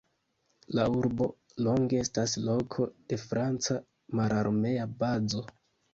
La urbo longe estas loko de franca mararmea bazo.